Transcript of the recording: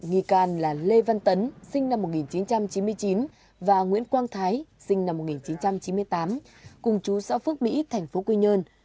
nghi can là lê văn tấn sinh năm một nghìn chín trăm chín mươi chín và nguyễn quang thái sinh năm một nghìn chín trăm chín mươi tám cùng chú xã phước mỹ tp quy nhơn